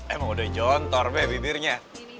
emang udah jontor bek bibirnya